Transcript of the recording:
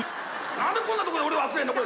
何でこんなところで俺忘れんの？